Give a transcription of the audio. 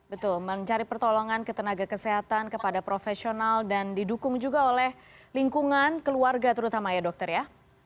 betul mencari pertolongan ke tenaga kesehatan kepada profesional dan didukung juga oleh lingkungan keluarga terutama ya dokter ya